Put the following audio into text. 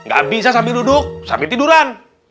gak bisa sambil duduk sambil tiduran